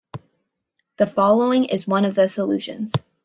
The following is one of the solutions.